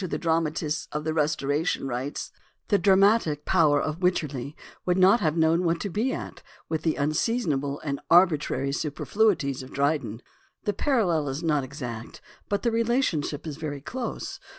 xviii) writes: "The dra matic power of Wycherly would not have known what to be at with the unseasonable and arbitrary superfluities of Dryden." The parallel is not exact, but the relation ship is very close.